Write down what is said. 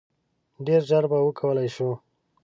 ډیر ژر به وکولای شو.